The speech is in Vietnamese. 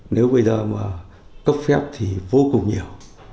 nếu bây giờ mà cấp phép thì vô cùng nhiều